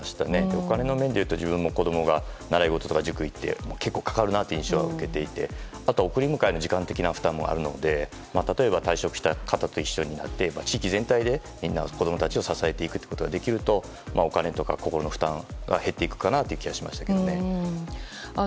お金の面でいうと、自分も子供が習い事や塾に行って結構かかるなという印象は受けていて、送り迎えの負担もあるので例えば退職した方と一緒になって地域全体で子供たちを支えていくことができるとお金とか心の負担は減っていくかなという気がしました。